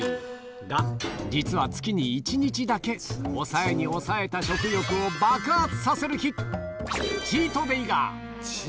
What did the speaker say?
が、実は月に１日だけ、抑えに抑えた食欲を爆発させる日、チートデーが。